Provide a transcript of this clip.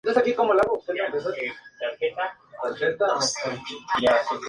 El Gobierno Regional de Kurdistán ha previsto abrir numerosas oficinas de representación en Europa.